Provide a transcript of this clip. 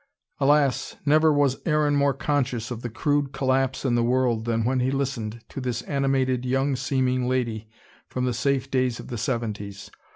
Alas, never was Aaron more conscious of the crude collapse in the world than when he listened to this animated, young seeming lady from the safe days of the seventies.